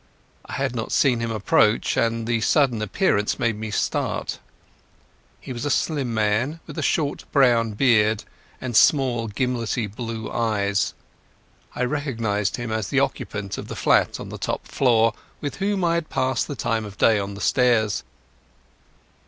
I had not seen him approach, and the sudden appearance made me start. He was a slim man, with a short brown beard and small, gimlety blue eyes. I recognized him as the occupant of a flat on the top floor, with whom I had passed the time of day on the stairs.